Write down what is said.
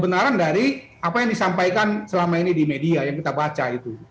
kita akan cari apa yang disampaikan selama ini di media yang kita baca itu